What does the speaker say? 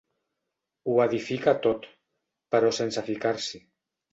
Ho edifica tot, però sense ficar-s'hi.